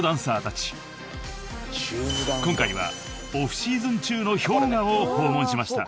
［今回はオフシーズン中のＨｙＯｇＡを訪問しました］